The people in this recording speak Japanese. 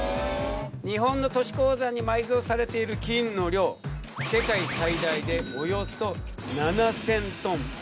日本の都市鉱山に埋蔵されている金の量世界最大でおよそ７，０００トン。